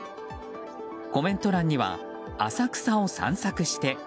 コメント欄には浅草を散策して！